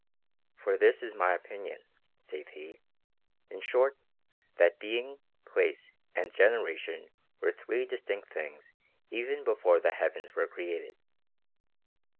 " For this is my opinion," saith he, '; in short, that being, place, and generation were three distinct things even before the heavens were created."